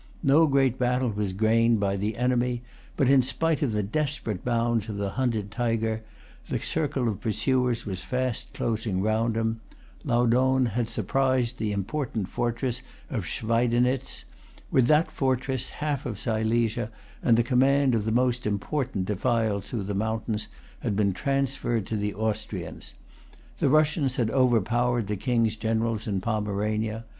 No great battle was gained by the enemy; but, in spite of the desperate bounds of the hunted tiger, the circle of pursuers was fast closing round him. Laudohn had surprised the important fortress of Schweidnitz. With that fortress, half of Silesia, and the command of the most important defiles through the mountains, had been transferred to the Austrians. The Russians had overpowered the King's generals in Pomerania.